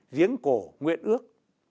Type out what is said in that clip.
riếng cổ nguyện ước